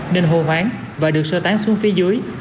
nên hô hoáng và được sơ tán xuống phía dưới